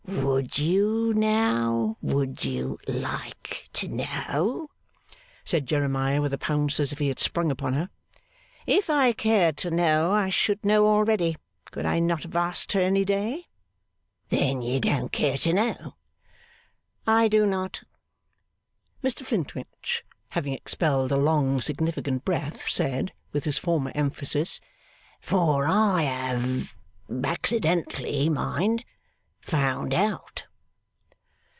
'Would you now, would you like to know?' said Jeremiah with a pounce as if he had sprung upon her. 'If I cared to know, I should know already. Could I not have asked her any day?' 'Then you don't care to know?' 'I do not.' Mr Flintwinch, having expelled a long significant breath said, with his former emphasis, 'For I have accidentally mind! found out.